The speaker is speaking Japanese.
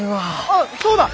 あっそうだ！